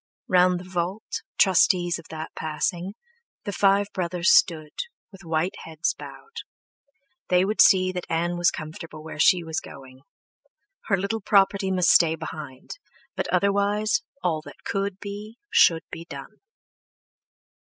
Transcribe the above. Round the vault, trustees of that passing, the five brothers stood, with white heads bowed; they would see that Ann was comfortable where she was going. Her little property must stay behind, but otherwise, all that could be should be done....